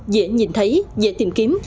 dễ nhìn thấy dễ tìm kiếm